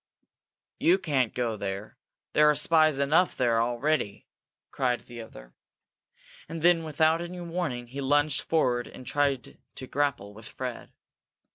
"You can't go there. There are spies enough there already!" cried the other. And then without any warning, he lunged forward and tried to grapple with Fred.